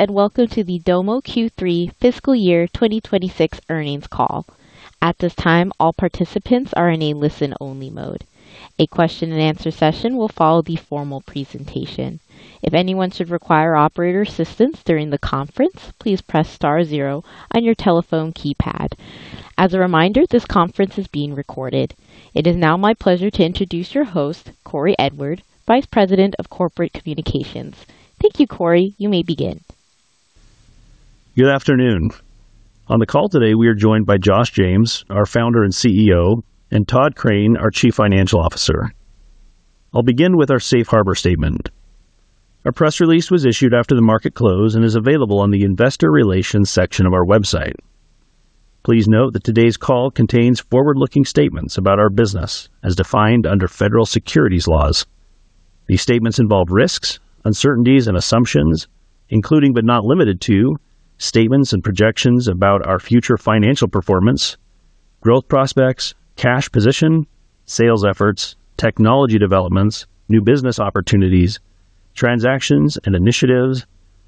And welcome to the Domo Q3 fiscal year 2026 earnings call. At this time, all participants are in a listen-only mode. A question-and-answer session will follow the formal presentation. If anyone should require operator assistance during the conference, please press star zero on your telephone keypad. As a reminder, this conference is being recorded. It is now my pleasure to introduce your host, Cory Edwards, Vice President of Corporate Communications. Thank you, Cory. You may begin. Good afternoon. On the call today, we are joined by Josh James, our founder and CEO, and Tod Crane, our Chief Financial Officer. I'll begin with our Safe Harbor statement. Our press release was issued after the market close and is available on the investor relations section of our website. Please note that today's call contains forward-looking statements about our business as defined under federal securities laws. These statements involve risks, uncertainties, and assumptions, including but not limited to statements and projections about our future financial performance, growth prospects, cash position, sales efforts, technology developments, new business opportunities, transactions and initiatives,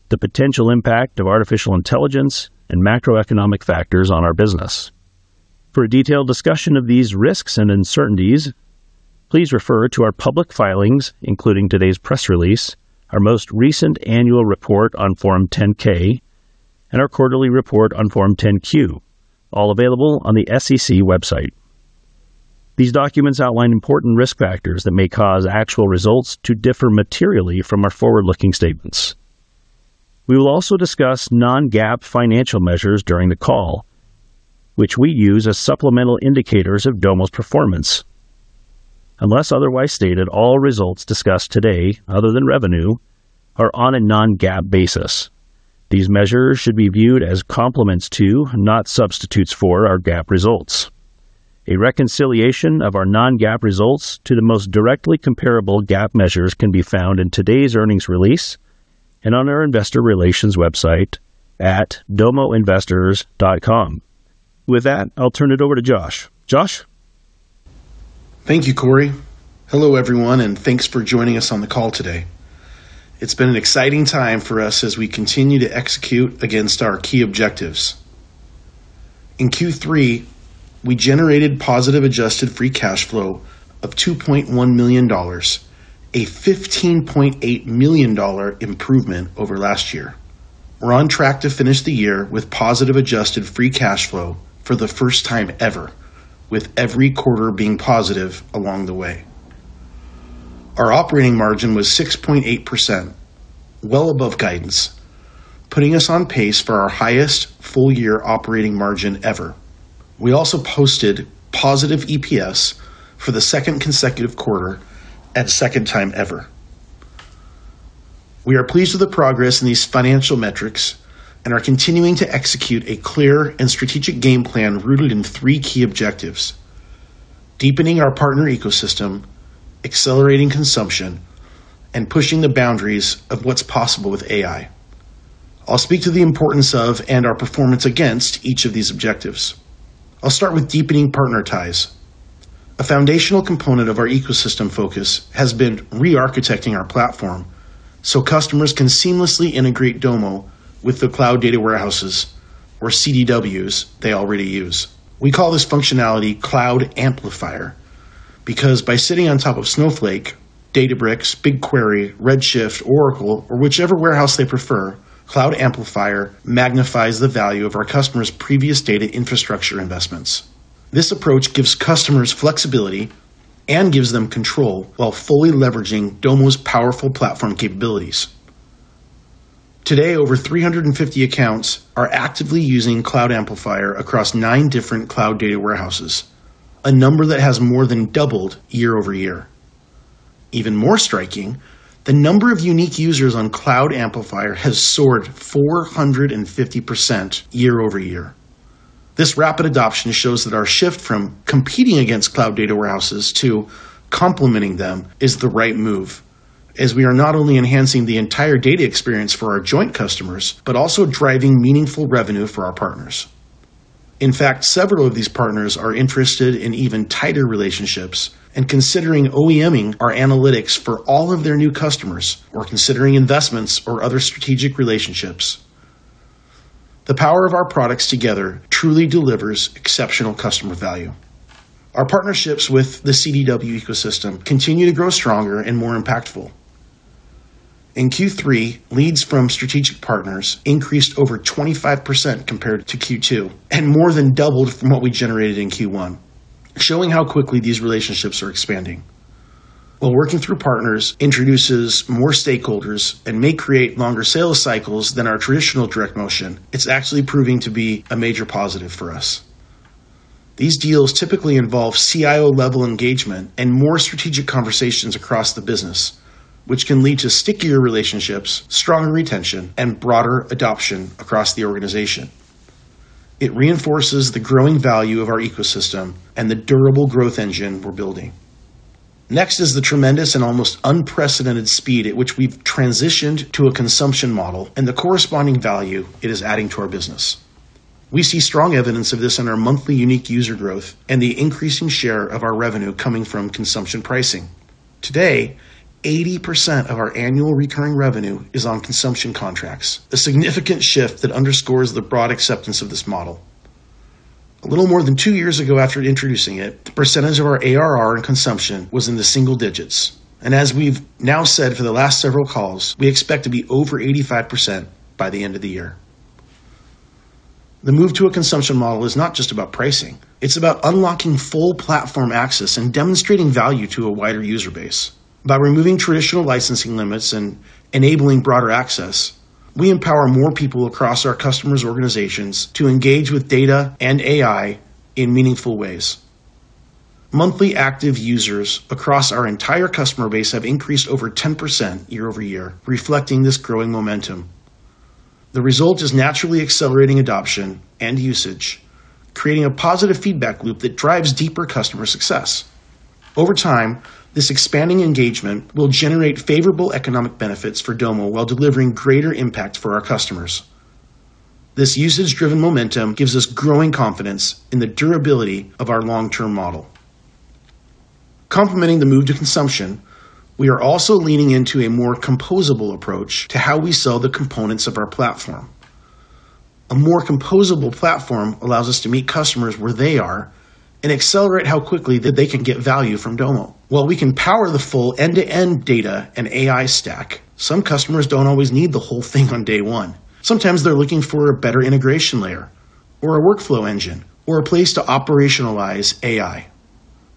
the potential impact of artificial intelligence, and macroeconomic factors on our business. For a detailed discussion of these risks and uncertainties, please refer to our public filings, including today's press release, our most recent annual report on Form 10-K, and our quarterly report on Form 10-Q, all available on the SEC website. These documents outline important risk factors that may cause actual results to differ materially from our forward-looking statements. We will also discuss non-GAAP financial measures during the call, which we use as supplemental indicators of Domo's performance. Unless otherwise stated, all results discussed today, other than revenue, are on a non-GAAP basis. These measures should be viewed as complements to, not substitutes for, our GAAP results. A reconciliation of our non-GAAP results to the most directly comparable GAAP measures can be found in today's earnings release and on our investor relations website at domoinvestors.com. With that, I'll turn it over to Josh. Josh? Thank you, Cory. Hello, everyone, and thanks for joining us on the call today. It's been an exciting time for us as we continue to execute against our key objectives. In Q3, we generated positive adjusted free cash flow of $2.1 million, a $15.8 million improvement over last year. We're on track to finish the year with positive adjusted free cash flow for the first time ever, with every quarter being positive along the way. Our operating margin was 6.8%, well above guidance, putting us on pace for our highest full-year operating margin ever. We also posted positive EPS for the second consecutive quarter and second time ever. We are pleased with the progress in these financial metrics and are continuing to execute a clear and strategic game plan rooted in three key objectives: deepening our partner ecosystem, accelerating consumption, and pushing the boundaries of what's possible with AI. I'll speak to the importance of and our performance against each of these objectives. I'll start with deepening partner ties. A foundational component of our ecosystem focus has been re-architecting our platform so customers can seamlessly integrate Domo with the cloud data warehouses or CDWs they already use. We call this functionality Cloud Amplifier because by sitting on top of Snowflake, Databricks, BigQuery, Redshift, Oracle, or whichever warehouse they prefer, Cloud Amplifier magnifies the value of our customers' previous data infrastructure investments. This approach gives customers flexibility and gives them control while fully leveraging Domo's powerful platform capabilities. Today, over 350 accounts are actively using Cloud Amplifier across nine different cloud data warehouses, a number that has more than doubled year over year. Even more striking, the number of unique users on Cloud Amplifier has soared 450% year over year. This rapid adoption shows that our shift from competing against cloud data warehouses to complementing them is the right move, as we are not only enhancing the entire data experience for our joint customers but also driving meaningful revenue for our partners. In fact, several of these partners are interested in even tighter relationships and considering OEMing our analytics for all of their new customers or considering investments or other strategic relationships. The power of our products together truly delivers exceptional customer value. Our partnerships with the CDW ecosystem continue to grow stronger and more impactful. In Q3, leads from strategic partners increased over 25% compared to Q2 and more than doubled from what we generated in Q1, showing how quickly these relationships are expanding. While working through partners introduces more stakeholders and may create longer sales cycles than our traditional direct motion, it's actually proving to be a major positive for us. These deals typically involve CIO-level engagement and more strategic conversations across the business, which can lead to stickier relationships, stronger retention, and broader adoption across the organization. It reinforces the growing value of our ecosystem and the durable growth engine we're building. Next is the tremendous and almost unprecedented speed at which we've transitioned to a consumption model and the corresponding value it is adding to our business. We see strong evidence of this in our monthly unique user growth and the increasing share of our revenue coming from consumption pricing. Today, 80% of our annual recurring revenue is on consumption contracts, a significant shift that underscores the broad acceptance of this model. A little more than two years ago after introducing it, the percentage of our ARR in consumption was in the single digits, and as we've now said for the last several calls, we expect to be over 85% by the end of the year. The move to a consumption model is not just about pricing. It's about unlocking full platform access and demonstrating value to a wider user base. By removing traditional licensing limits and enabling broader access, we empower more people across our customers' organizations to engage with data and AI in meaningful ways. Monthly active users across our entire customer base have increased over 10% year over year, reflecting this growing momentum. The result is naturally accelerating adoption and usage, creating a positive feedback loop that drives deeper customer success. Over time, this expanding engagement will generate favorable economic benefits for Domo while delivering greater impact for our customers. This usage-driven momentum gives us growing confidence in the durability of our long-term model. Complementing the move to consumption, we are also leaning into a more composable approach to how we sell the components of our platform. A more composable platform allows us to meet customers where they are and accelerate how quickly that they can get value from Domo. While we can power the full end-to-end data and AI stack, some customers don't always need the whole thing on day one. Sometimes they're looking for a better integration layer or a workflow engine or a place to operationalize AI.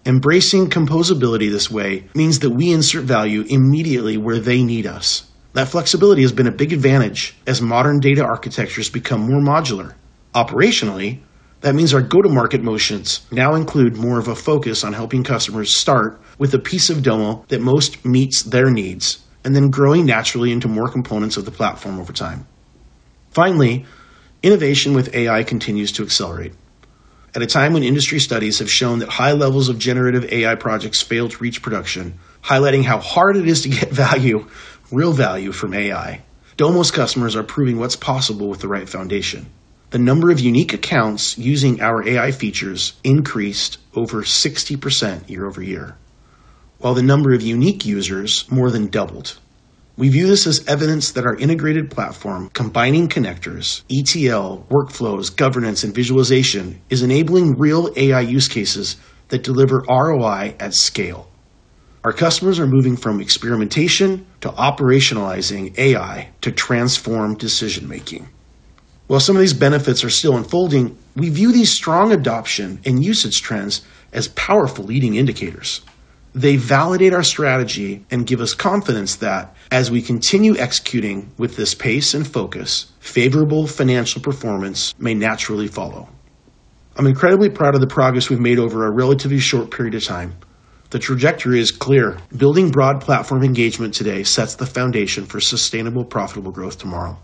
Embracing composability this way means that we insert value immediately where they need us. That flexibility has been a big advantage as modern data architectures become more modular. Operationally, that means our go-to-market motions now include more of a focus on helping customers start with a piece of Domo that most meets their needs and then growing naturally into more components of the platform over time. Finally, innovation with AI continues to accelerate. At a time when industry studies have shown that high levels of generative AI projects fail to reach production, highlighting how hard it is to get value, real value from AI, Domo's customers are proving what's possible with the right foundation. The number of unique accounts using our AI features increased over 60% year over year, while the number of unique users more than doubled. We view this as evidence that our integrated platform, combining connectors, ETL, workflows, governance, and visualization, is enabling real AI use cases that deliver ROI at scale. Our customers are moving from experimentation to operationalizing AI to transform decision-making. While some of these benefits are still unfolding, we view these strong adoption and usage trends as powerful leading indicators. They validate our strategy and give us confidence that as we continue executing with this pace and focus, favorable financial performance may naturally follow. I'm incredibly proud of the progress we've made over a relatively short period of time. The trajectory is clear. Building broad platform engagement today sets the foundation for sustainable, profitable growth tomorrow.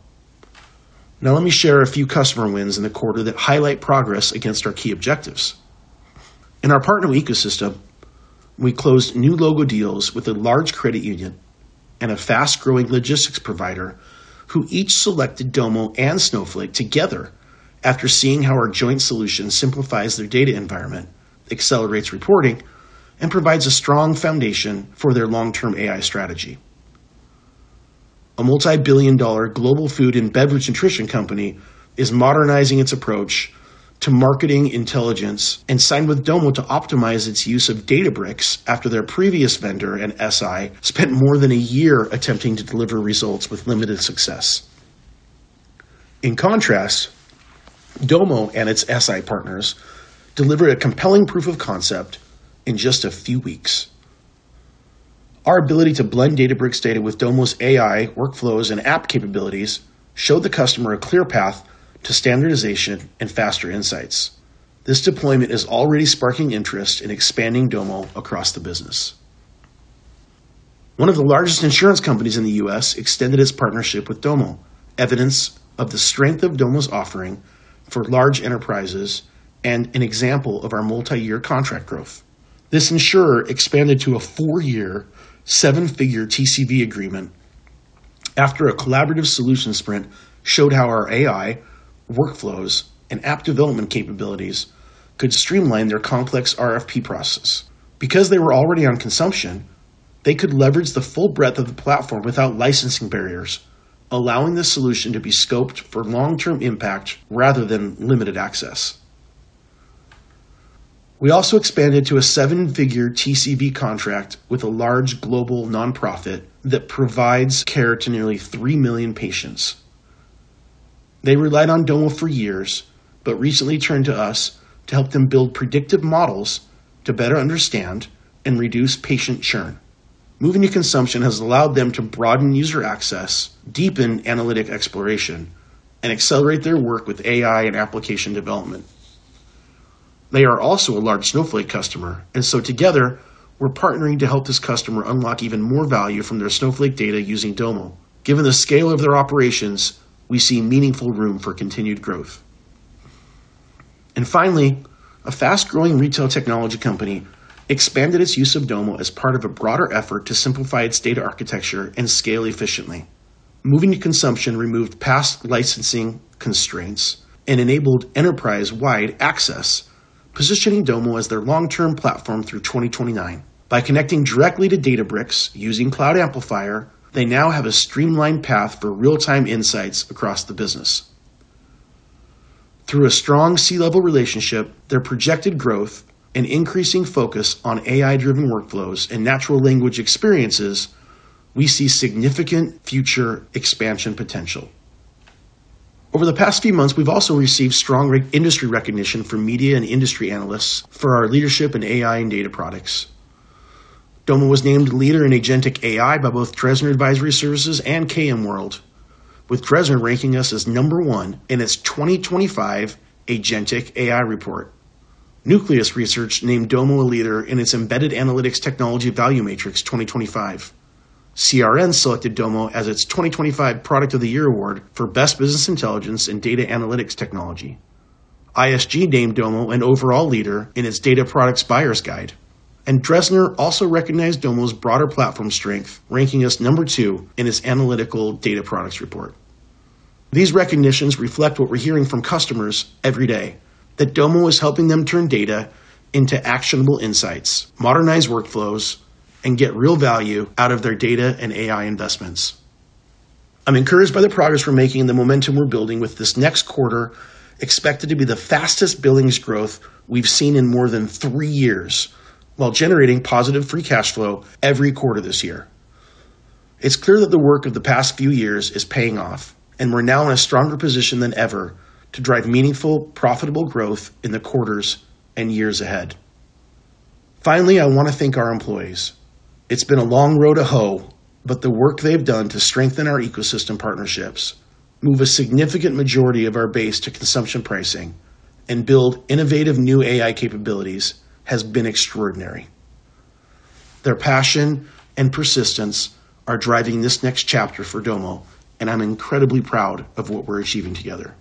Now let me share a few customer wins in the quarter that highlight progress against our key objectives. In our partner ecosystem, we closed new logo deals with a large credit union and a fast-growing logistics provider who each selected Domo and Snowflake together after seeing how our joint solution simplifies their data environment, accelerates reporting, and provides a strong foundation for their long-term AI strategy. A multi-billion dollar global food and beverage nutrition company is modernizing its approach to marketing intelligence and signed with Domo to optimize its use of Databricks after their previous vendor, an SI, spent more than a year attempting to deliver results with limited success. In contrast, Domo and its SI partners delivered a compelling proof of concept in just a few weeks. Our ability to blend Databricks data with Domo's AI workflows and app capabilities showed the customer a clear path to standardization and faster insights. This deployment is already sparking interest in expanding Domo across the business. One of the largest insurance companies in the U.S. extended its partnership with Domo, evidence of the strength of Domo's offering for large enterprises and an example of our multi-year contract growth. This insurer expanded to a four-year, seven-figure TCV agreement after a collaborative solution sprint showed how our AI workflows and app development capabilities could streamline their complex RFP process. Because they were already on consumption, they could leverage the full breadth of the platform without licensing barriers, allowing the solution to be scoped for long-term impact rather than limited access. We also expanded to a seven-figure TCV contract with a large global nonprofit that provides care to nearly 3 million patients. They relied on Domo for years but recently turned to us to help them build predictive models to better understand and reduce patient churn. Moving to consumption has allowed them to broaden user access, deepen analytic exploration, and accelerate their work with AI and application development. They are also a large Snowflake customer, and so together, we're partnering to help this customer unlock even more value from their Snowflake data using Domo. Given the scale of their operations, we see meaningful room for continued growth. And finally, a fast-growing retail technology company expanded its use of Domo as part of a broader effort to simplify its data architecture and scale efficiently. Moving to consumption removed past licensing constraints and enabled enterprise-wide access, positioning Domo as their long-term platform through 2029. By connecting directly to Databricks using Cloud Amplifier, they now have a streamlined path for real-time insights across the business. Through a strong C-level relationship, their projected growth, and increasing focus on AI-driven workflows and natural language experiences, we see significant future expansion potential. Over the past few months, we've also received strong industry recognition from media and industry analysts for our leadership in AI and data products. Domo was named leader in agentic AI by both Dresner Advisory Services and KMWorld, with Dresner ranking us as number one in its 2025 Agentic AI report. Nucleus Research named Domo a leader in its embedded analytics technology value matrix 2025. CRN selected Domo as its 2025 Product of the Year Award for best business intelligence and data analytics technology. ISG named Domo an overall leader in its data products buyer's guide, and Dresner also recognized Domo's broader platform strength, ranking us number two in its analytical data products report. These recognitions reflect what we're hearing from customers every day: that Domo is helping them turn data into actionable insights, modernize workflows, and get real value out of their data and AI investments. I'm encouraged by the progress we're making and the momentum we're building with this next quarter, expected to be the fastest billing growth we've seen in more than three years while generating positive free cash flow every quarter this year. It's clear that the work of the past few years is paying off, and we're now in a stronger position than ever to drive meaningful, profitable growth in the quarters and years ahead. Finally, I want to thank our employees. It's been a long row to hoe, but the work they've done to strengthen our ecosystem partnerships, move a significant majority of our base to consumption pricing, and build innovative new AI capabilities has been extraordinary. Their passion and persistence are driving this next chapter for Domo, and I'm incredibly proud of what we're achieving together.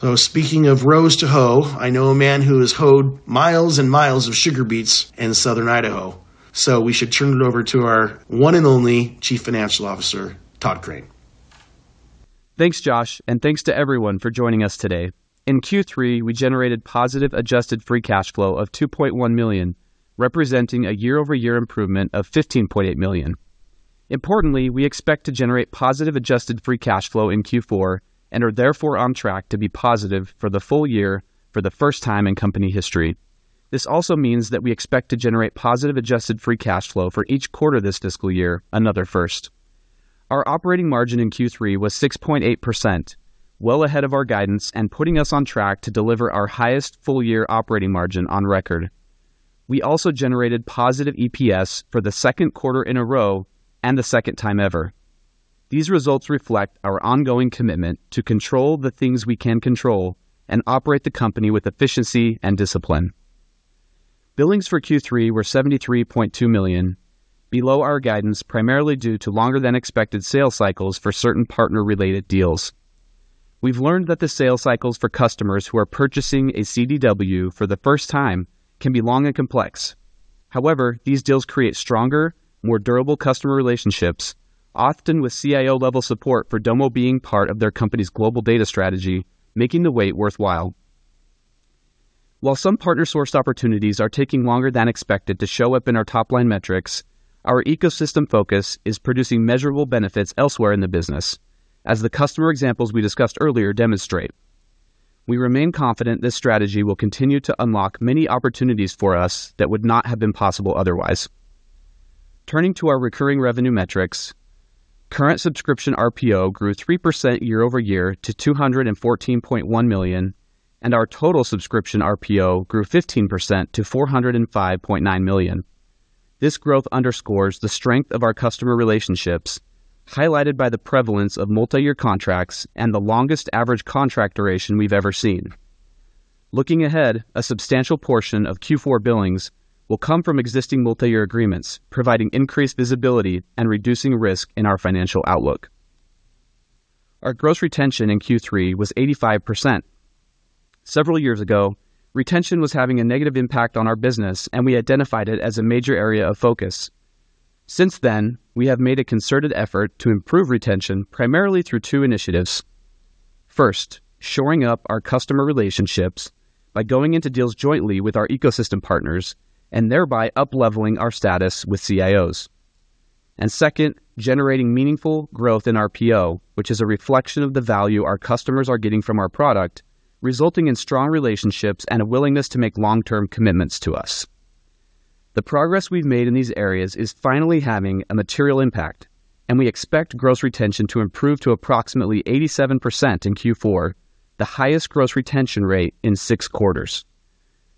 So speaking of rows to hoe, I know a man who has hoed miles and miles of sugar beets in Southern Idaho, so we should turn it over to our one and only Chief Financial Officer, Tod Crane. Thanks, Josh, and thanks to everyone for joining us today. In Q3, we generated positive adjusted free cash flow of $2.1 million, representing a year-over-year improvement of $15.8 million. Importantly, we expect to generate positive adjusted free cash flow in Q4 and are therefore on track to be positive for the full year for the first time in company history. This also means that we expect to generate positive adjusted free cash flow for each quarter this fiscal year, another first. Our operating margin in Q3 was 6.8%, well ahead of our guidance and putting us on track to deliver our highest full-year operating margin on record. We also generated positive EPS for the second quarter in a row and the second time ever. These results reflect our ongoing commitment to control the things we can control and operate the company with efficiency and discipline. Billings for Q3 were $73.2 million, below our guidance primarily due to longer-than-expected sales cycles for certain partner-related deals. We've learned that the sales cycles for customers who are purchasing a CDW for the first time can be long and complex. However, these deals create stronger, more durable customer relationships, often with CIO-level support for Domo being part of their company's global data strategy, making the wait worthwhile. While some partner-sourced opportunities are taking longer than expected to show up in our top-line metrics, our ecosystem focus is producing measurable benefits elsewhere in the business, as the customer examples we discussed earlier demonstrate. We remain confident this strategy will continue to unlock many opportunities for us that would not have been possible otherwise. Turning to our recurring revenue metrics, current subscription RPO grew 3% year-over-year to $214.1 million, and our total subscription RPO grew 15% to $405.9 million. This growth underscores the strength of our customer relationships, highlighted by the prevalence of multi-year contracts and the longest average contract duration we've ever seen. Looking ahead, a substantial portion of Q4 billings will come from existing multi-year agreements, providing increased visibility and reducing risk in our financial outlook. Our gross retention in Q3 was 85%. Several years ago, retention was having a negative impact on our business, and we identified it as a major area of focus. Since then, we have made a concerted effort to improve retention primarily through two initiatives. First, shoring up our customer relationships by going into deals jointly with our ecosystem partners and thereby up-leveling our status with CIOs. And second, generating meaningful growth in RPO, which is a reflection of the value our customers are getting from our product, resulting in strong relationships and a willingness to make long-term commitments to us. The progress we've made in these areas is finally having a material impact, and we expect gross retention to improve to approximately 87% in Q4, the highest gross retention rate in six quarters.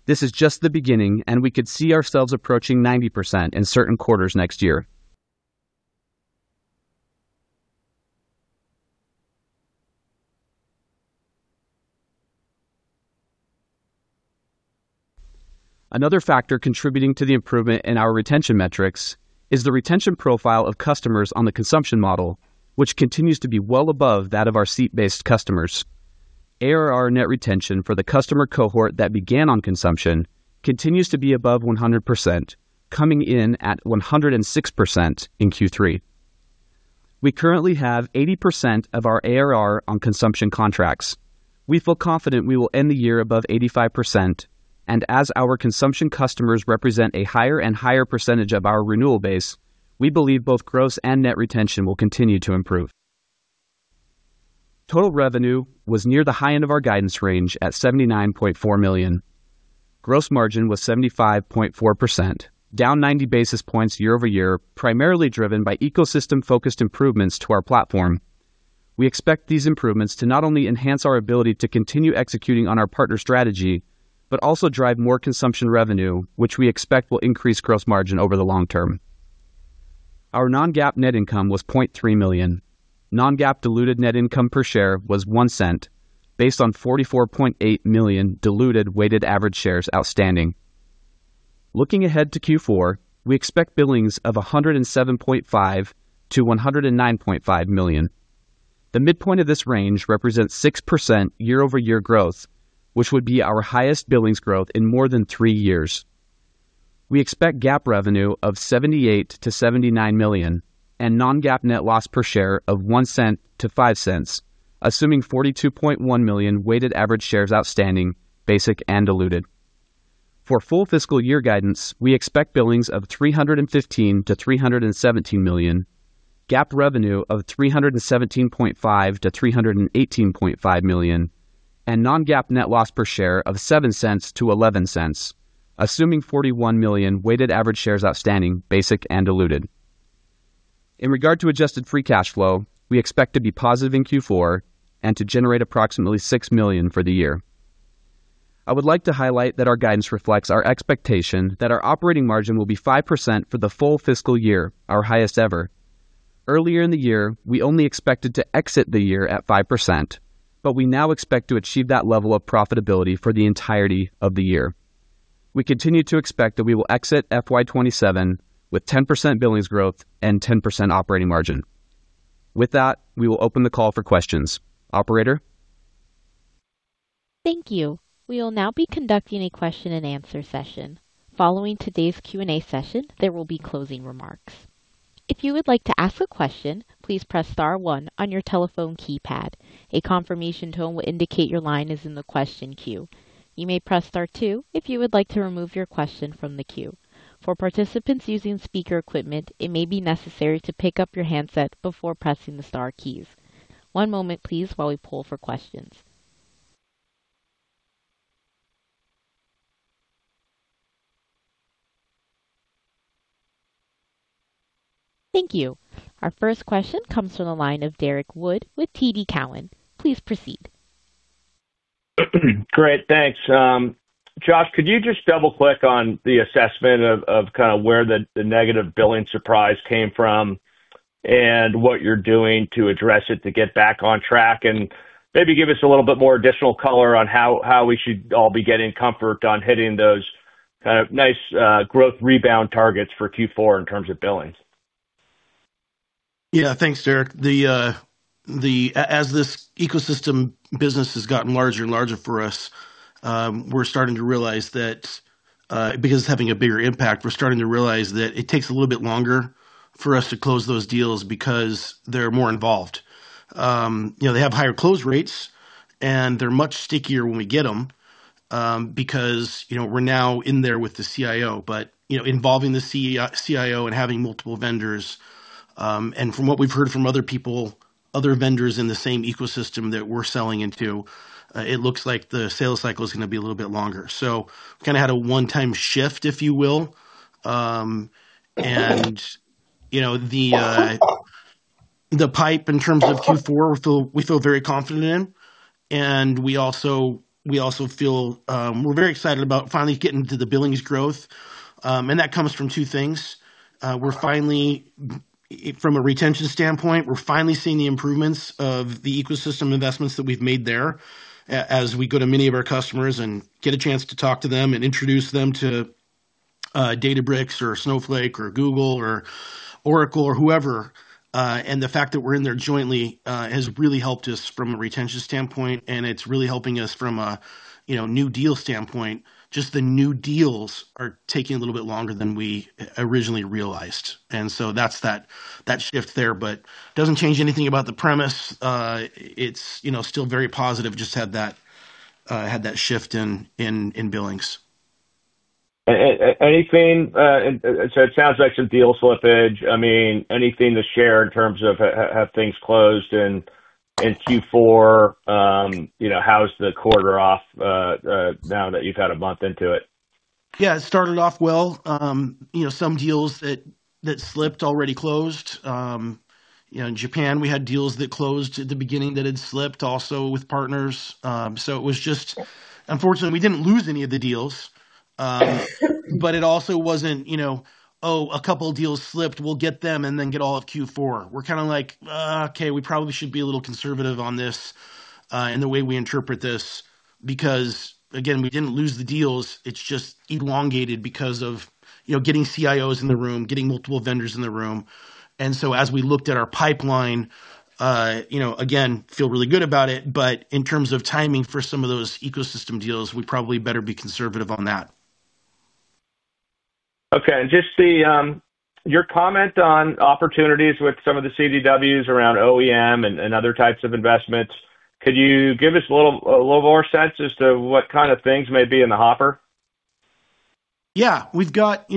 This is just the beginning, and we could see ourselves approaching 90% in certain quarters next year. Another factor contributing to the improvement in our retention metrics is the retention profile of customers on the consumption model, which continues to be well above that of our seat-based customers. ARR net retention for the customer cohort that began on consumption continues to be above 100%, coming in at 106% in Q3. We currently have 80% of our ARR on consumption contracts. We feel confident we will end the year above 85%, and as our consumption customers represent a higher and higher percentage of our renewal base, we believe both gross and net retention will continue to improve. Total revenue was near the high end of our guidance range at $79.4 million. Gross margin was 75.4%, down 90 basis points year-over-year, primarily driven by ecosystem-focused improvements to our platform. We expect these improvements to not only enhance our ability to continue executing on our partner strategy, but also drive more consumption revenue, which we expect will increase gross margin over the long term. Our non-GAAP net income was $0.3 million. Non-GAAP diluted net income per share was $0.01, based on 44.8 million diluted weighted average shares outstanding. Looking ahead to Q4, we expect billings of $107.5 million-$109.5 million. The midpoint of this range represents 6% year-over-year growth, which would be our highest billings growth in more than three years. We expect GAAP revenue of $78-$79 million and non-GAAP net loss per share of $0.01-$0.05, assuming 42.1 million weighted average shares outstanding, basic and diluted. For full fiscal year guidance, we expect billings of $315 million-$317 million, GAAP revenue of $317.5 million-$318.5 million, and non-GAAP net loss per share of $0.07-$0.11, assuming 41 million weighted average shares outstanding, basic and diluted. In regard to adjusted free cash flow, we expect to be positive in Q4 and to generate approximately $6 million for the year. I would like to highlight that our guidance reflects our expectation that our operating margin will be 5% for the full fiscal year, our highest ever. Earlier in the year, we only expected to exit the year at 5%, but we now expect to achieve that level of profitability for the entirety of the year. We continue to expect that we will exit FY27 with 10% billings growth and 10% operating margin. With that, we will open the call for questions. Operator? Thank you. We will now be conducting a question-and-answer session. Following today's Q&A session, there will be closing remarks. If you would like to ask a question, please press star one on your telephone keypad. A confirmation tone will indicate your line is in the question queue. You may press star two if you would like to remove your question from the queue. For participants using speaker equipment, it may be necessary to pick up your handset before pressing the star keys. One moment, please, while we poll for questions. Thank you. Our first question comes from the line of Derrick Wood with TD Cowen. Please proceed. Great. Thanks. Josh, could you just double-click on the assessment of kind of where the negative billing surprise came from and what you're doing to address it to get back on track and maybe give us a little bit more additional color on how we should all be getting comfort on hitting those kind of nice growth rebound targets for Q4 in terms of billings? Yeah. Thanks, Derrick. As this ecosystem business has gotten larger and larger for us, we're starting to realize that because it's having a bigger impact, we're starting to realize that it takes a little bit longer for us to close those deals because they're more involved. They have higher close rates, and they're much stickier when we get them because we're now in there with the CIO. But involving the CIO and having multiple vendors, and from what we've heard from other people, other vendors in the same ecosystem that we're selling into, it looks like the sales cycle is going to be a little bit longer. So we kind of had a one-time shift, if you will. And the pipe in terms of Q4, we feel very confident in. And we also feel we're very excited about finally getting to the billings growth. And that comes from two things. From a retention standpoint, we're finally seeing the improvements of the ecosystem investments that we've made there as we go to many of our customers and get a chance to talk to them and introduce them to Databricks or Snowflake or Google or Oracle or whoever, and the fact that we're in there jointly has really helped us from a retention standpoint, and it's really helping us from a new deal standpoint. Just the new deals are taking a little bit longer than we originally realized, and so that's that shift there, but it doesn't change anything about the premise. It's still very positive. Just had that shift in billings. Anything? So it sounds like some deal slippage. I mean, anything to share in terms of how things closed in Q4? How's the quarter off now that you've had a month into it? Yeah. It started off well. Some deals that slipped already closed. In Japan, we had deals that closed at the beginning that had slipped also with partners. So it was just unfortunate. We didn't lose any of the deals, but it also wasn't, "Oh, a couple of deals slipped. We'll get them and then get all of Q4." We're kind of like, "Okay, we probably should be a little conservative on this and the way we interpret this." Because, again, we didn't lose the deals. It's just elongated because of getting CIOs in the room, getting multiple vendors in the room. And so as we looked at our pipeline, again, feel really good about it. But in terms of timing for some of those ecosystem deals, we probably better be conservative on that. Okay. And just your comment on opportunities with some of the CDWs around OEM and other types of investments. Could you give us a little more sense as to what kind of things may be in the hopper? Yeah. We've got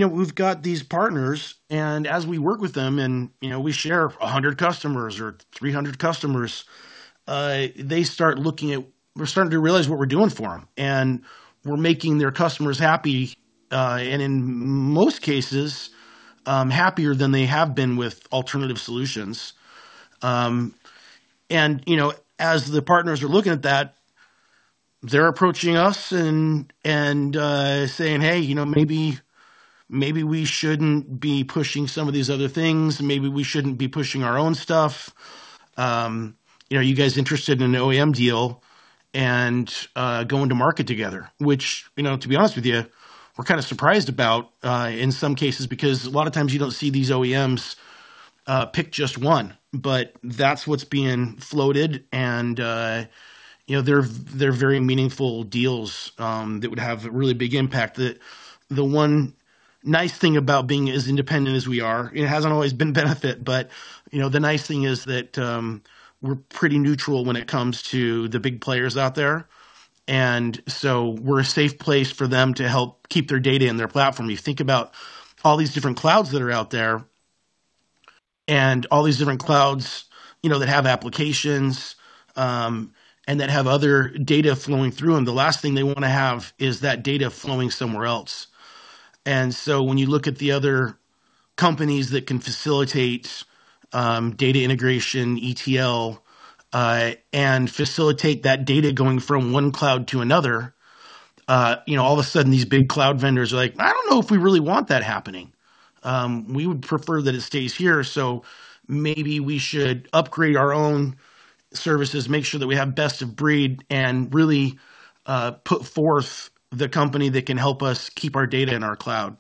these partners, and as we work with them and we share 100 customers or 300 customers, they start looking at we're starting to realize what we're doing for them, and we're making their customers happy and, in most cases, happier than they have been with alternative solutions. And as the partners are looking at that, they're approaching us and saying, "Hey, maybe we shouldn't be pushing some of these other things. Maybe we shouldn't be pushing our own stuff. Are you guys interested in an OEM deal and going to market together?" Which, to be honest with you, we're kind of surprised about in some cases because a lot of times you don't see these OEMs pick just one, but that's what's being floated, and they're very meaningful deals that would have a really big impact. The one nice thing about being as independent as we are, it hasn't always been a benefit, but the nice thing is that we're pretty neutral when it comes to the big players out there, and so we're a safe place for them to help keep their data in their platform. You think about all these different clouds that are out there and all these different clouds that have applications and that have other data flowing through, and the last thing they want to have is that data flowing somewhere else. And so when you look at the other companies that can facilitate data integration, ETL, and facilitate that data going from one cloud to another, all of a sudden, these big cloud vendors are like, "I don't know if we really want that happening. We would prefer that it stays here. So maybe we should upgrade our own services, make sure that we have best of breed, and really put forth the company that can help us keep our data in our cloud."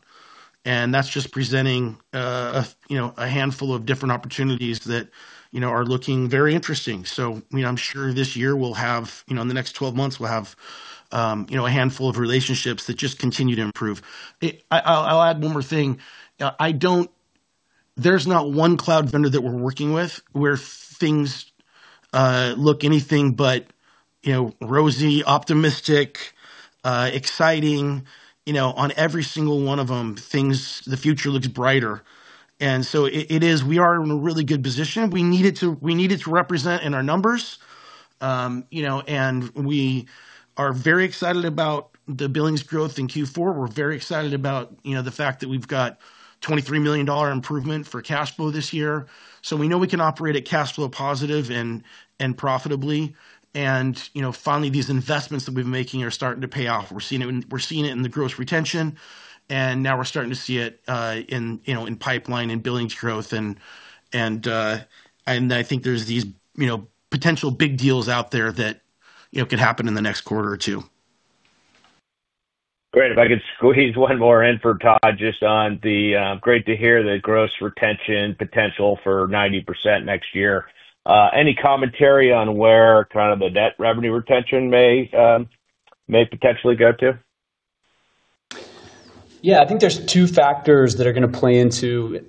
And that's just presenting a handful of different opportunities that are looking very interesting. So I'm sure this year we'll have in the next 12 months, we'll have a handful of relationships that just continue to improve. I'll add one more thing. There's not one cloud vendor that we're working with where things look anything but rosy, optimistic, exciting. On every single one of them, the future looks brighter. And so it is, we are in a really good position. We need it to represent in our numbers. And we are very excited about the billings growth in Q4. We're very excited about the fact that we've got a $23 million improvement for cash flow this year. So we know we can operate at cash flow positive and profitably. And finally, these investments that we've been making are starting to pay off. We're seeing it in the gross retention, and now we're starting to see it in pipeline and billings growth. And I think there's these potential big deals out there that could happen in the next quarter or two. Great. If I could squeeze one more in for Tod just on, that's great to hear the gross retention potential for 90% next year. Any commentary on where kind of the net revenue retention may potentially go to? Yeah. I think there's two factors that are going to play into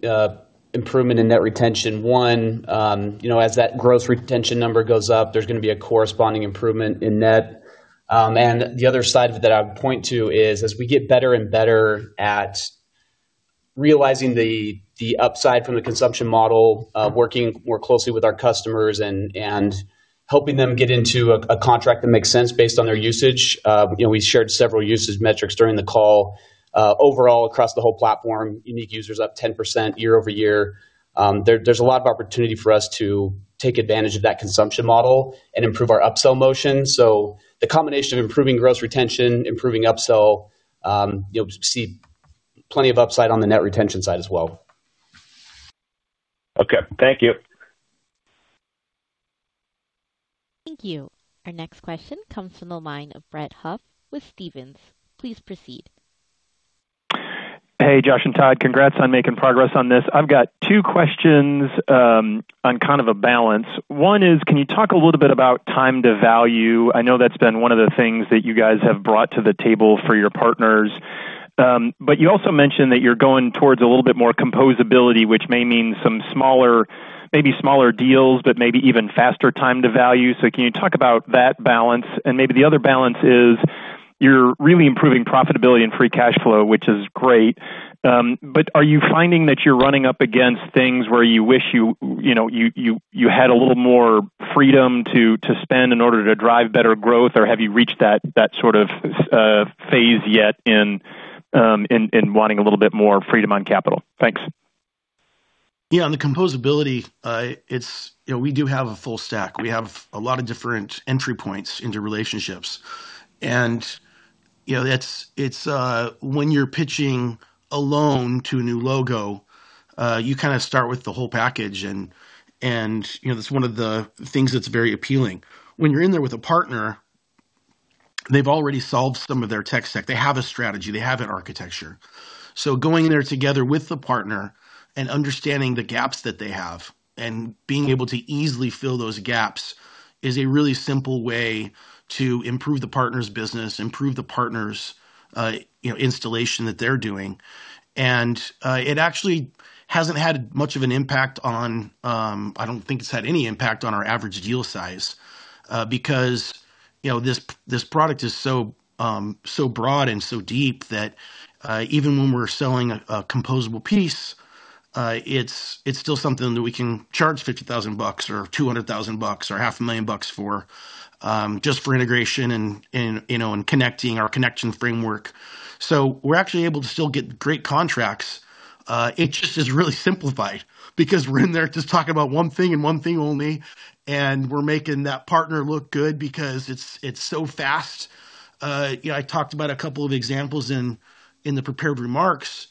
improvement in net retention. One, as that gross retention number goes up, there's going to be a corresponding improvement in net. And the other side of it that I would point to is, as we get better and better at realizing the upside from the consumption model, working more closely with our customers and helping them get into a contract that makes sense based on their usage. We shared several usage metrics during the call. Overall, across the whole platform, unique users up 10% year-over-year. There's a lot of opportunity for us to take advantage of that consumption model and improve our upsell motion. So the combination of improving gross retention, improving upsell, we see plenty of upside on the net retention side as well. Okay. Thank you. Thank you. Our next question comes from the line of Brett Huff with Stephens. Please proceed. Hey, Josh and Tod. Congrats on making progress on this. I've got two questions on kind of a balance. One is, can you talk a little bit about time to value? I know that's been one of the things that you guys have brought to the table for your partners. But you also mentioned that you're going towards a little bit more composability, which may mean maybe smaller deals, but maybe even faster time to value. So can you talk about that balance? And maybe the other balance is you're really improving profitability and free cash flow, which is great. But are you finding that you're running up against things where you wish you had a little more freedom to spend in order to drive better growth? Or have you reached that sort of phase yet in wanting a little bit more freedom on capital? Thanks. Yeah. On the composability, we do have a full stack. We have a lot of different entry points into relationships. And when you're pitching alone to a new logo, you kind of start with the whole package. And that's one of the things that's very appealing. When you're in there with a partner, they've already solved some of their tech stack. They have a strategy. They have an architecture. So going in there together with the partner and understanding the gaps that they have and being able to easily fill those gaps is a really simple way to improve the partner's business, improve the partner's installation that they're doing. And it actually hasn't had much of an impact. I don't think it's had any impact on our average deal size because this product is so broad and so deep that even when we're selling a composable piece, it's still something that we can charge $50,000 or $200,000 or $500,000 for just for integration and connecting our connection framework. So we're actually able to still get great contracts. It just is really simplified because we're in there just talking about one thing and one thing only. And we're making that partner look good because it's so fast. I talked about a couple of examples in the prepared remarks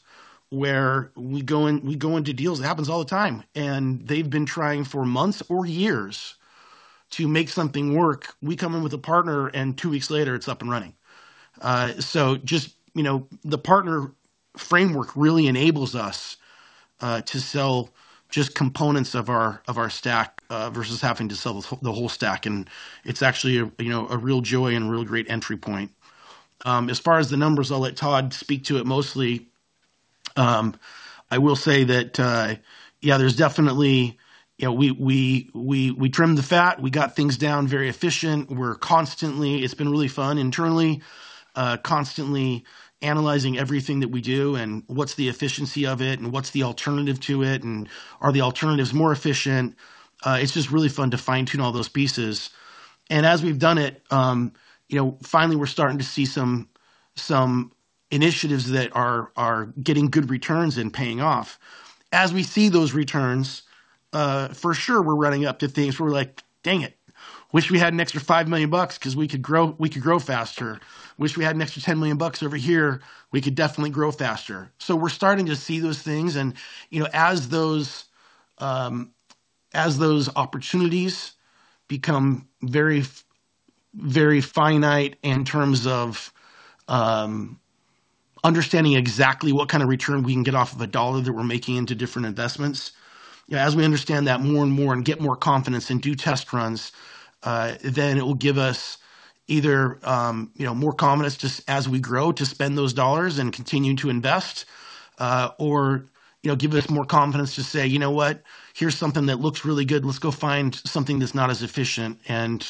where we go into deals. It happens all the time, and they've been trying for months or years to make something work. We come in with a partner, and two weeks later, it's up and running, so just the partner framework really enables us to sell just components of our stack versus having to sell the whole stack, and it's actually a real joy and a real great entry point. As far as the numbers, I'll let Tod speak to it. Mostly, I will say that, yeah, there's definitely we trimmed the fat. We got things down very efficient. It's been really fun internally, constantly analyzing everything that we do and what's the efficiency of it and what's the alternative to it and are the alternatives more efficient. It's just really fun to fine-tune all those pieces. As we've done it, finally, we're starting to see some initiatives that are getting good returns and paying off. As we see those returns, for sure, we're running up to things where we're like, "Dang it. Wish we had an extra $5 million because we could grow faster. Wish we had an extra $10 million over here. We could definitely grow faster." We're starting to see those things. As those opportunities become very finite in terms of understanding exactly what kind of return we can get off of a dollar that we're making into different investments, as we understand that more and more and get more confidence and do test runs, then it will give us either more confidence just as we grow to spend those dollars and continue to invest or give us more confidence to say, "You know what? Here's something that looks really good. Let's go find something that's not as efficient and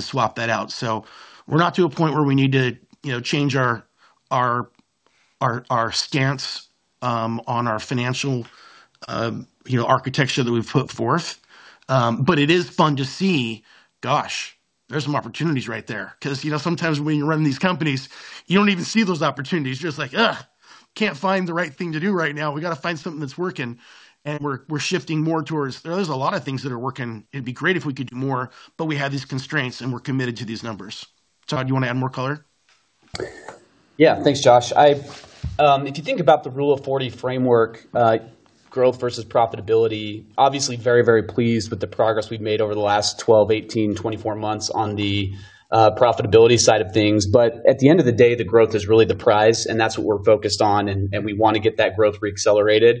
swap that out." So we're not to a point where we need to change our stance on our financial architecture that we've put forth. But it is fun to see, gosh, there's some opportunities right there. Because sometimes when you're running these companies, you don't even see those opportunities. You're just like, "Ugh, can't find the right thing to do right now. We got to find something that's working." And we're shifting more towards there's a lot of things that are working. It'd be great if we could do more, but we have these constraints and we're committed to these numbers. Tod, do you want to add more color? Yeah. Thanks, Josh. If you think about the Rule of 40 framework, growth versus profitability, obviously very, very pleased with the progress we've made over the last 12, 18, 24 months on the profitability side of things, but at the end of the day, the growth is really the prize, and that's what we're focused on, and we want to get that growth reaccelerated.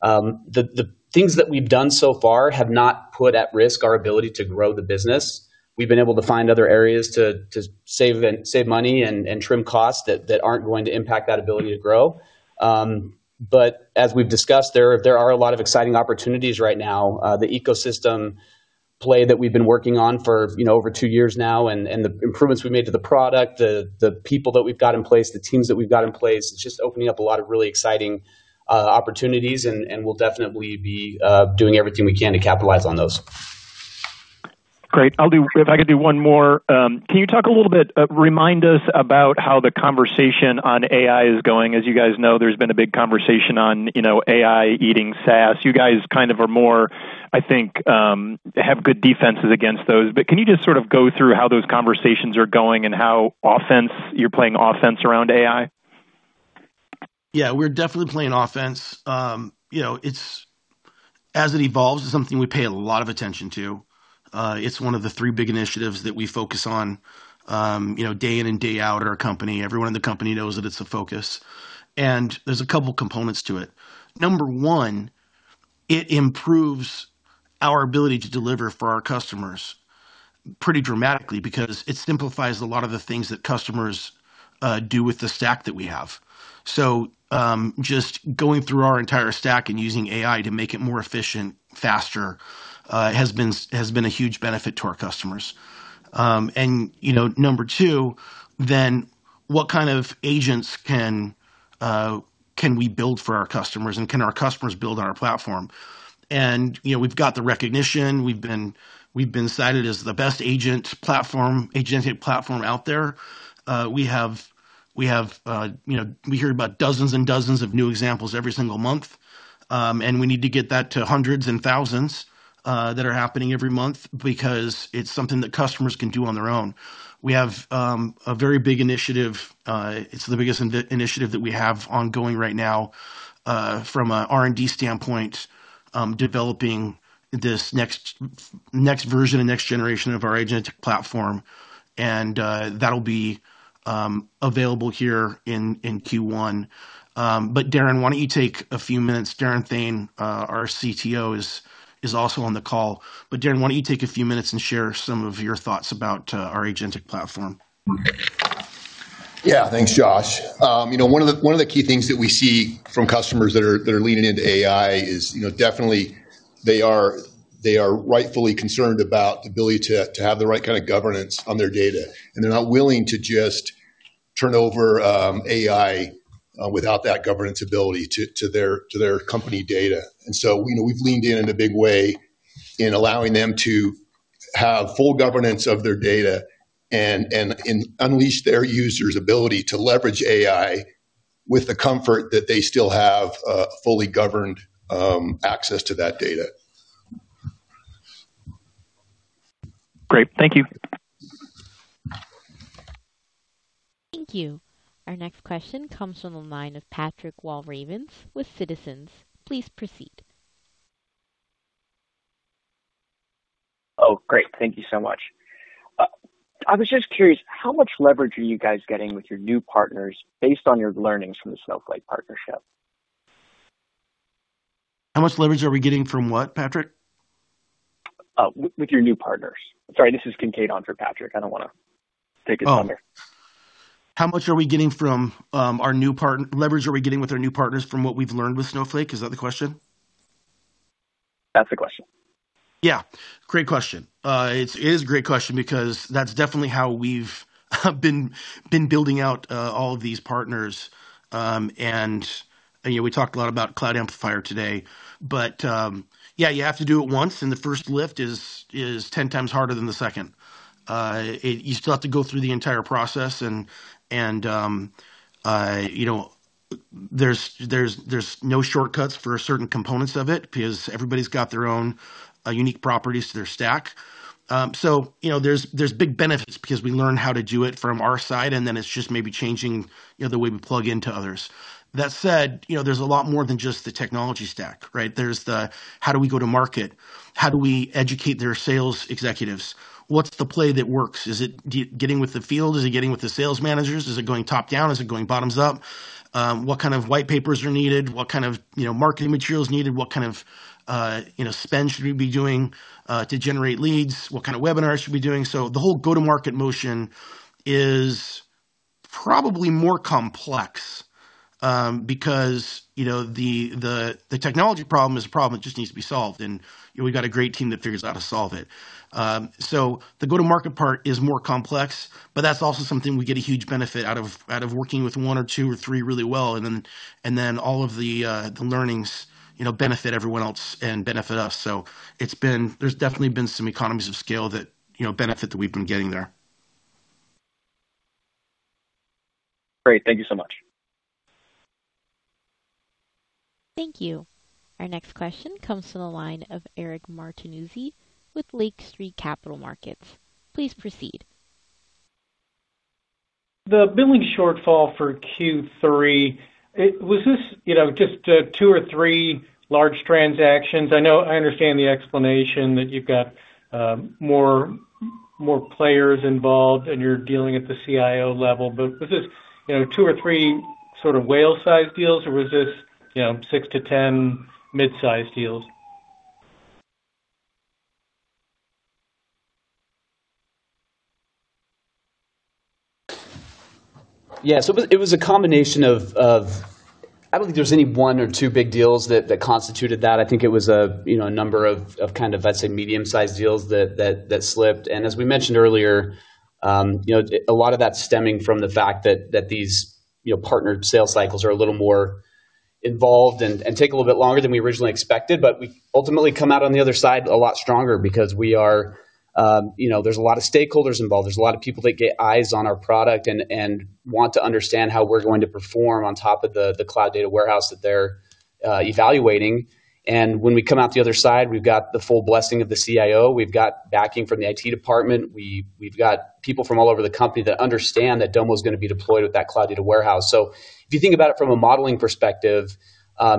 The things that we've done so far have not put at risk our ability to grow the business. We've been able to find other areas to save money and trim costs that aren't going to impact that ability to grow, but as we've discussed, there are a lot of exciting opportunities right now. The ecosystem play that we've been working on for over two years now and the improvements we made to the product, the people that we've got in place, the teams that we've got in place, it's just opening up a lot of really exciting opportunities, and we'll definitely be doing everything we can to capitalize on those. Great. If I could do one more, can you talk a little bit, remind us about how the conversation on AI is going? As you guys know, there's been a big conversation on AI eating SaaS. You guys kind of are more, I think, have good defenses against those. But can you just sort of go through how those conversations are going and how you're playing offense around AI? Yeah. We're definitely playing offense. As it evolves, it's something we pay a lot of attention to. It's one of the three big initiatives that we focus on day in and day out at our company. Everyone in the company knows that it's a focus. And there's a couple of components to it. Number one, it improves our ability to deliver for our customers pretty dramatically because it simplifies a lot of the things that customers do with the stack that we have. So just going through our entire stack and using AI to make it more efficient, faster has been a huge benefit to our customers. And number two, then what kind of agents can we build for our customers, and can our customers build on our platform? And we've got the recognition. We've been cited as the best agent platform, agentic platform out there. We have, we hear about dozens and dozens of new examples every single month, and we need to get that to hundreds and thousands that are happening every month because it's something that customers can do on their own. We have a very big initiative. It's the biggest initiative that we have ongoing right now from an R&D standpoint, developing this next version and next generation of our agentic platform. And that'll be available here in Q1. But Darren, why don't you take a few minutes? Daren Thayne, our CTO, is also on the call. But Darren, why don't you take a few minutes and share some of your thoughts about our agentic platform? Yeah. Thanks, Josh. One of the key things that we see from customers that are leaning into AI is definitely they are rightfully concerned about the ability to have the right kind of governance on their data. And they're not willing to just turn over AI without that governance ability to their company data. And so we've leaned in in a big way in allowing them to have full governance of their data and unleash their users' ability to leverage AI with the comfort that they still have fully governed access to that data. Great. Thank you. Thank you. Our next question comes from the line of Patrick Walravens with Citizens. Please proceed. Oh, great. Thank you so much. I was just curious, how much leverage are you guys getting with your new partners based on your learnings from the Snowflake partnership? How much leverage are we getting from what, Patrick? With your new partners. Sorry, this is Kincaid on for Patrick. I don't want to take his number. How much leverage are we getting with our new partners from what we've learned with Snowflake? Is that the question? That's the question. Yeah. Great question. It is a great question because that's definitely how we've been building out all of these partners. We talked a lot about Cloud Amplifier today. But yeah, you have to do it once, and the first lift is 10 times harder than the second. You still have to go through the entire process. There's no shortcuts for certain components of it because everybody's got their own unique properties to their stack. So there's big benefits because we learn how to do it from our side, and then it's just maybe changing the way we plug into others. That said, there's a lot more than just the technology stack, right? There's the how do we go to market? How do we educate their sales executives? What's the play that works? Is it getting with the field? Is it getting with the sales managers? Is it going top-down? Is it going bottoms-up? What kind of white papers are needed? What kind of marketing material is needed? What kind of spend should we be doing to generate leads? What kind of webinars should we be doing? So the whole go-to-market motion is probably more complex because the technology problem is a problem that just needs to be solved. And we've got a great team that figures out how to solve it. So the go-to-market part is more complex, but that's also something we get a huge benefit out of working with one or two or three really well. And then all of the learnings benefit everyone else and benefit us. So there's definitely been some economies of scale benefit that we've been getting there. Great. Thank you so much. Thank you. Our next question comes from the line of Eric Martinuzzi with Lake Street Capital Markets. Please proceed. The billing shortfall for Q3, was this just two or three large transactions? I understand the explanation that you've got more players involved and you're dealing at the CIO level. But was this two or three sort of whale-sized deals, or was this six to 10 mid-sized deals? Yeah. So it was a combination of. I don't think there's any one or two big deals that constituted that. I think it was a number of kind of, I'd say, medium-sized deals that slipped. And as we mentioned earlier, a lot of that's stemming from the fact that these partnered sales cycles are a little more involved and take a little bit longer than we originally expected. But we ultimately come out on the other side a lot stronger because there's a lot of stakeholders involved. There's a lot of people that get eyes on our product and want to understand how we're going to perform on top of the cloud data warehouse that they're evaluating. And when we come out the other side, we've got the full blessing of the CIO. We've got backing from the IT department. We've got people from all over the company that understand that Domo is going to be deployed with that cloud data warehouse. So if you think about it from a modeling perspective,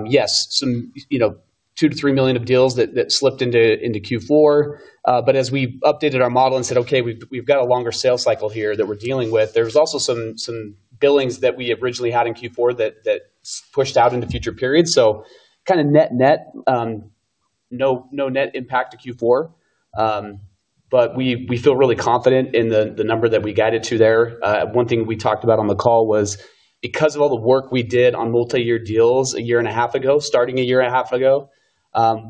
yes, some $2 million-$3 million deals that slipped into Q4. But as we updated our model and said, "Okay, we've got a longer sales cycle here that we're dealing with," there was also some billings that we originally had in Q4 that pushed out into future periods. So kind of net-net, no net impact to Q4. But we feel really confident in the number that we guided to there. One thing we talked about on the call was because of all the work we did on multi-year deals a year and a half ago, starting a year and a half ago,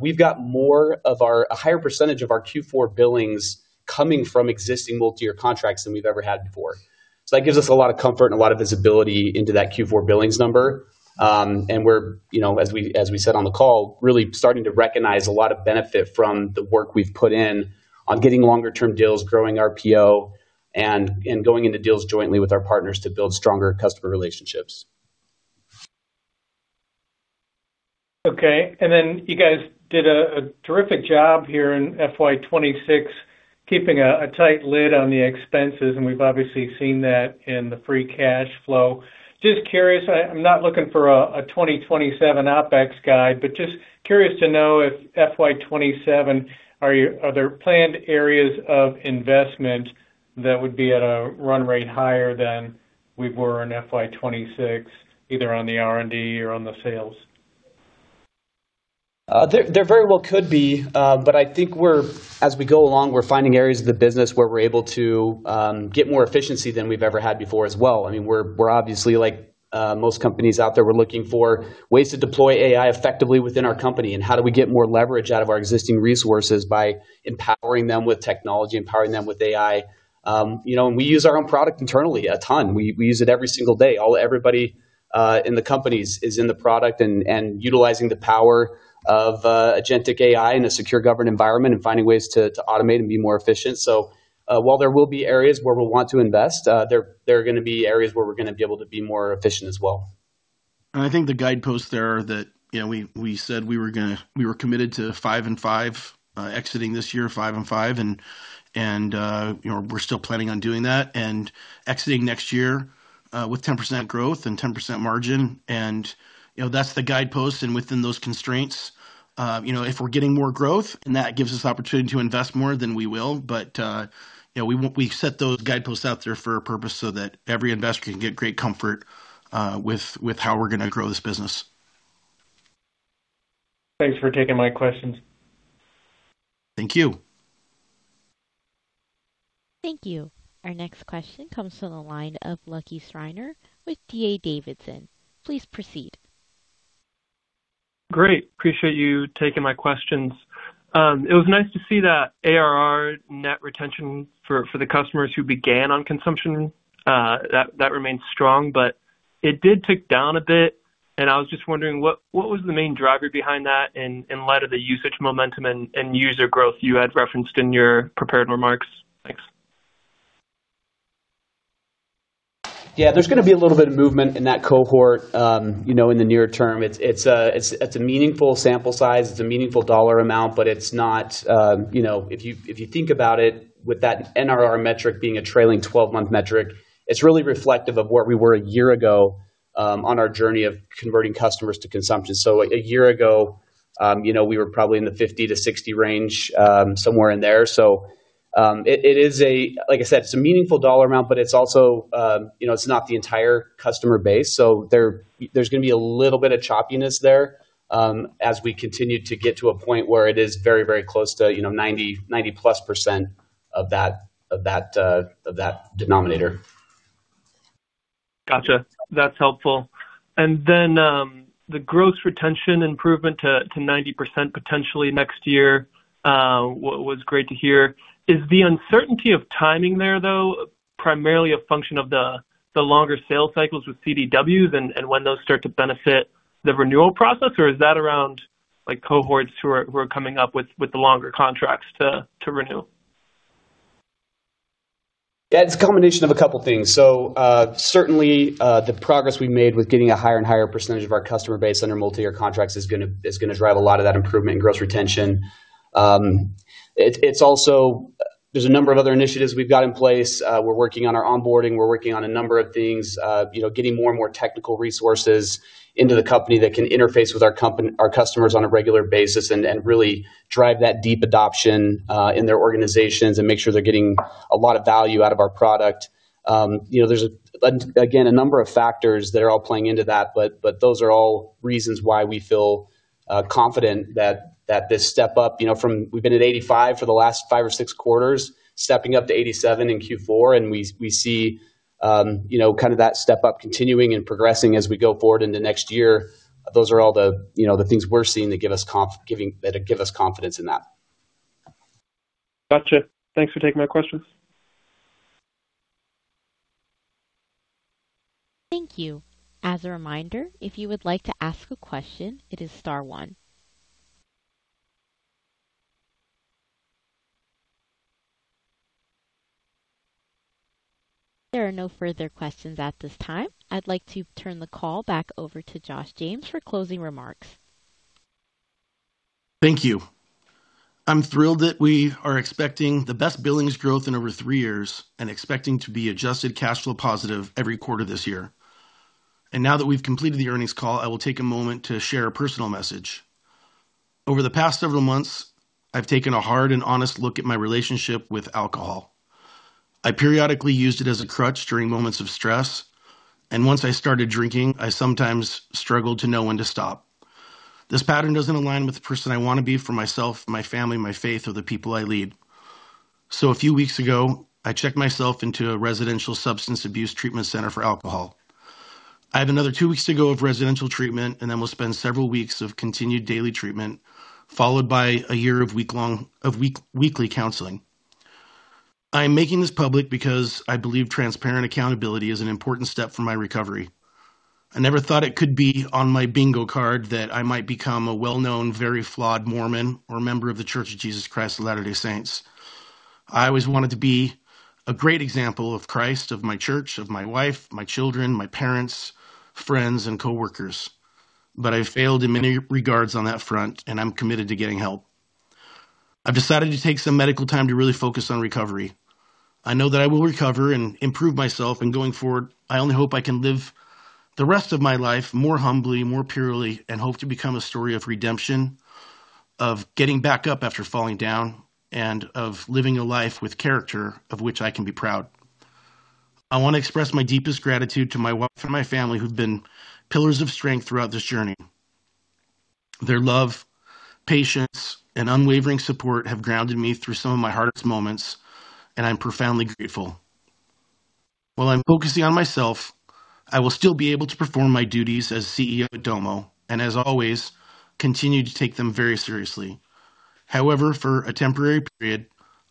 we've got more of our higher percentage of our Q4 billings coming from existing multi-year contracts than we've ever had before. So that gives us a lot of comfort and a lot of visibility into that Q4 billings number. We're, as we said on the call, really starting to recognize a lot of benefit from the work we've put in on getting longer-term deals, growing RPO, and going into deals jointly with our partners to build stronger customer relationships. Okay. Then you guys did a terrific job here in FY26, keeping a tight lid on the expenses. And we've obviously seen that in the free cash flow. Just curious, I'm not looking for a 2027 OpEx guide, but just curious to know if FY27, are there planned areas of investment that would be at a run rate higher than we were in FY26, either on the R&D or on the sales? There very well could be. I think as we go along, we're finding areas of the business where we're able to get more efficiency than we've ever had before as well. I mean, we're obviously, like most companies out there, we're looking for ways to deploy AI effectively within our company, and how do we get more leverage out of our existing resources by empowering them with technology, empowering them with AI, and we use our own product internally a ton, and we use it every single day. Everybody in the companies is in the product and utilizing the power of agentic AI in a secure, governed environment and finding ways to automate and be more efficient, so while there will be areas where we'll want to invest, there are going to be areas where we're going to be able to be more efficient as well. And I think the guidepost there that we said we were committed to five and five exiting this year, five and five, and we're still planning on doing that and exiting next year with 10% growth and 10% margin. And that's the guidepost. And within those constraints, if we're getting more growth, and that gives us the opportunity to invest more, then we will. But we set those guideposts out there for a purpose so that every investor can get great comfort with how we're going to grow this business. Thanks for taking my questions. Thank you. Thank you. Our next question comes from the line of Lucky Schreiner with D.A. Davidson. Please proceed. Great. Appreciate you taking my questions. It was nice to see that ARR net retention for the customers who began on consumption. That remains strong, but it did tick down a bit. I was just wondering, what was the main driver behind that in light of the usage momentum and user growth you had referenced in your prepared remarks? Thanks. Yeah. There is going to be a little bit of movement in that cohort in the near term. It is a meaningful sample size. It is a meaningful dollar amount, but it is not if you think about it with that NRR metric being a trailing 12-month metric, it is really reflective of where we were a year ago on our journey of converting customers to consumption. A year ago, we were probably in the 50-60 range, somewhere in there. It is a, like I said, meaningful dollar amount, but it is also not the entire customer base. So there's going to be a little bit of choppiness there as we continue to get to a point where it is very, very close to 90+% of that denominator. Gotcha. That's helpful. And then the gross retention improvement to 90% potentially next year was great to hear. Is the uncertainty of timing there, though, primarily a function of the longer sales cycles with CDWs and when those start to benefit the renewal process, or is that around cohorts who are coming up with the longer contracts to renew? Yeah. It's a combination of a couple of things. So certainly, the progress we've made with getting a higher and higher percentage of our customer base under multi-year contracts is going to drive a lot of that improvement in gross retention. There's a number of other initiatives we've got in place. We're working on our onboarding. We're working on a number of things, getting more and more technical resources into the company that can interface with our customers on a regular basis and really drive that deep adoption in their organizations and make sure they're getting a lot of value out of our product. There's, again, a number of factors that are all playing into that, but those are all reasons why we feel confident that this step up from we've been at 85 for the last five or six quarters, stepping up to 87 in Q4, and we see kind of that step up continuing and progressing as we go forward into next year. Those are all the things we're seeing that give us confidence in that. Gotcha. Thanks for taking my questions. Thank you. As a reminder, if you would like to ask a question, it is star one. There are no further questions at this time. I'd like to turn the call back over to Josh James for closing remarks. Thank you. I'm thrilled that we are expecting the best billings growth in over three years and expecting to be adjusted cash flow positive every quarter this year. And now that we've completed the earnings call, I will take a moment to share a personal message. Over the past several months, I've taken a hard and honest look at my relationship with alcohol. I periodically used it as a crutch during moments of stress. And once I started drinking, I sometimes struggled to know when to stop. This pattern doesn't align with the person I want to be for myself, my family, my faith, or the people I lead. So a few weeks ago, I checked myself into a residential substance abuse treatment center for alcohol. I have another two weeks to go of residential treatment, and then we'll spend several weeks of continued daily treatment followed by a year of weekly counseling. I'm making this public because I believe transparent accountability is an important step for my recovery. I never thought it could be on my bingo card that I might become a well-known, very flawed Mormon or member of the Church of Jesus Christ of Latter-day Saints. I always wanted to be a great example of Christ, of my church, of my wife, my children, my parents, friends, and coworkers. But I failed in many regards on that front, and I'm committed to getting help. I've decided to take some medical time to really focus on recovery. I know that I will recover and improve myself. Going forward, I only hope I can live the rest of my life more humbly, more purely, and hope to become a story of redemption, of getting back up after falling down, and of living a life with character of which I can be proud. I want to express my deepest gratitude to my wife and my family who've been pillars of strength throughout this journey. Their love, patience, and unwavering support have grounded me through some of my hardest moments, and I'm profoundly grateful. While I'm focusing on myself, I will still be able to perform my duties as CEO at Domo and, as always, continue to take them very seriously. However, for a temporary period,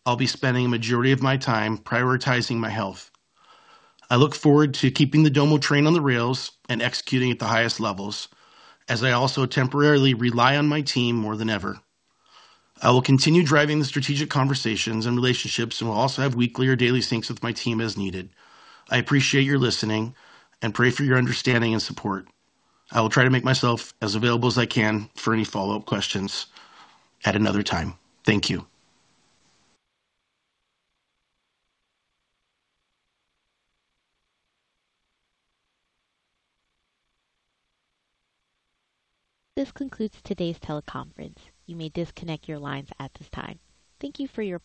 I'll be spending a majority of my time prioritizing my health. I look forward to keeping the Domo train on the rails and executing at the highest levels, as I also temporarily rely on my team more than ever. I will continue driving the strategic conversations and relationships and will also have weekly or daily syncs with my team as needed. I appreciate your listening and pray for your understanding and support. I will try to make myself as available as I can for any follow-up questions at another time. Thank you. This concludes today's teleconference. You may disconnect your lines at this time. Thank you for your.